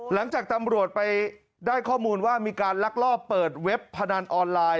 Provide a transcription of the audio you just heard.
หลังจากตำรวจไปได้ข้อมูลว่ามีการลักลอบเปิดเว็บพนันออนไลน์